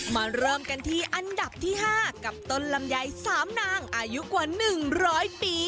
มาเริ่มกันที่อันดับที่๕กับต้นลำไย๓นางอายุกว่า๑๐๐ปี